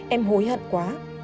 em hối hận quá